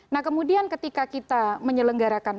nah kemudian ketika kita menyelenggarakan